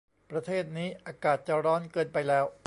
ประเทศนี้อากาศจะร้อนเกินไปแล้ว